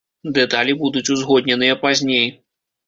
Дэталі будуць узгодненыя пазней.